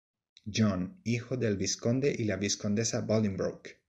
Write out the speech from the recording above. John, hijo del Vizconde y la Vizcondesa Bolingbroke.